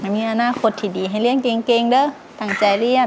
มีอนาคตที่ดีให้เลี้ยงเก่งเด้อตั้งใจเรียน